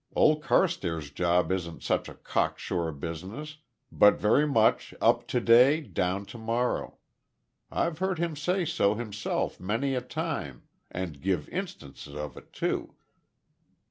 Old Carstairs' job isn't such a cocksure business, but very much `up to day down to morrow.' I've heard him say so himself many a time, and give instances of it too."